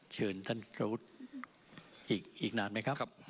เชิญท่านศูนย์อีกนานไหมครับ